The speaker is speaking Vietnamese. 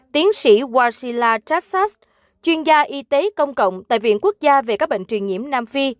tiến sĩ washila trasas chuyên gia y tế công cộng tại viện quốc gia về các bệnh truyền nhiễm nam phi